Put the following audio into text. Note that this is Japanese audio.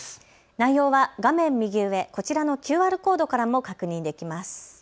内容は画面右上、こちらのＱＲコードからも確認できます。